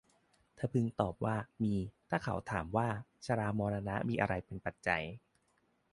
เธอพึงตอบว่า มี ถ้าเขาถามว่า ชรามรณะมีอะไรเป็นปัจจัย